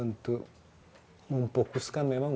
untuk memfokuskan memang